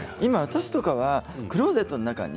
私はクローゼットの中に